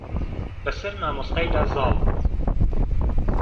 بە سەر مامۆستای دا زاڵ بوو.